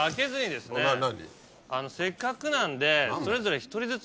せっかくなんで。